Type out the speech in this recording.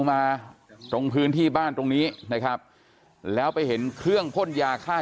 มาตรงพื้นที่บ้านตรงนี้นะครับแล้วไปเห็นเครื่องพ่นยาฆ่า